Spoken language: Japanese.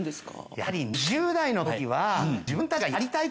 やはり２０代のときは。